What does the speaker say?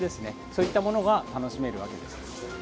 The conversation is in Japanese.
そういったものが楽しめるわけです。